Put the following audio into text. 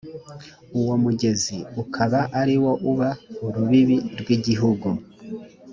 uwo mugezi ukaba ari wo uba urubibi rw’igihugu